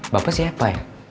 bapak siapa ya